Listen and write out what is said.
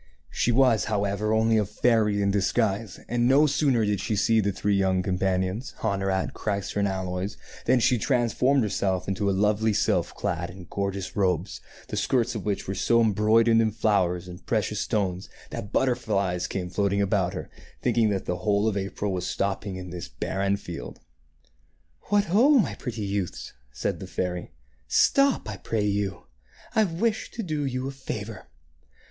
She was, how ever, only a fairy in disguise ; and no sooner did she see the three young companions, Honorat, Chrysor, and Aloys, than she transformed herself into a lovely sylph clad in gorgeous robes, the skirts of which were so embroidered in flowers of precious stones that butterflies came floating about her, think ing that the whole of April was stopping in this barren field. "What, ho! my pretty youths," said the fairy: "stop, I pray you. I wish to do you a favor.